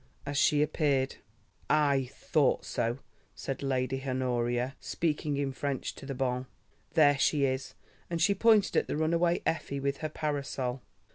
as she appeared. "I thought so," said Lady Honoria, speaking in French to the bonne. "There she is," and she pointed at the runaway Effie with her parasol.